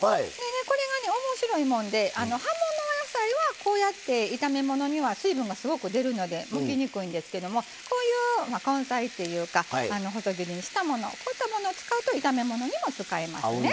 これがおもしろいもんで葉物野菜はこうやって炒め物には水分がすごく出るので向きにくいんですけどもこういう根菜っていうか細切りにしたものこういったもの使うと炒め物にも使えますね。